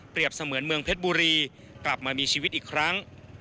เสมือนเมืองเพชรบุรีกลับมามีชีวิตอีกครั้ง